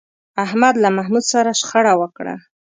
احمد له محمود سره شخړه وکړه.